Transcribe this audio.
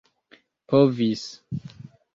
povis